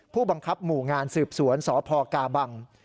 ผู้บังคับหมู่งานสืบสวนสพกาบัง